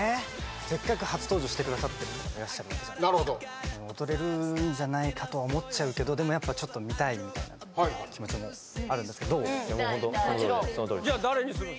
せっかく初登場してくださってる方がいらっしゃってるじゃないですか踊れるんじゃないかとは思っちゃうけどでもやっぱちょっと見たい気持ちもあるんですけどもちろんじゃあ誰にする？